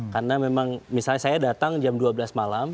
karena memang misalnya saya datang jam dua belas malam